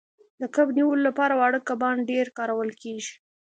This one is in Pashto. د کب نیولو لپاره واړه کبان ډیر کارول کیږي